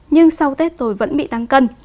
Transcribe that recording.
nhưng sau tết tôi vẫn bị tăng cân